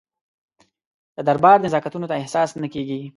د دربار نزاکتونه ته احساس نه کېږي.